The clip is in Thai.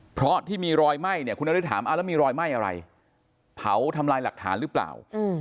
เพราะที่มีรอยไหม้เนี่ยคุณนฤทธิถามแล้วมีรอยไหม้อะไรเผาทำลายหลักฐานหรือเปล่า